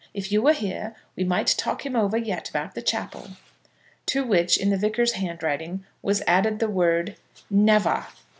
If you were here we might talk him over yet about the chapel. To which, in the Vicar's handwriting, was added the word, "Never!"